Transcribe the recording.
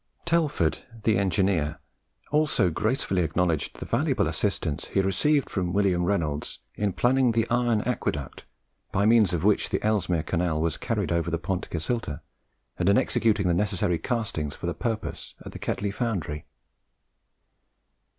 Telford, the engineer, also gracefully acknowledged the valuable assistance he received from William Reynolds in planning the iron aqueduct by means of which the Ellesmere Canal was carried over the Pont Cysylltau, and in executing the necessary castings for the purpose at the Ketley foundry.